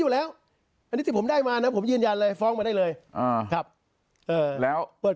อยู่แล้วผมได้มานะผมยืนยันเลยฟ้องมาได้เลยครับแล้วเปิด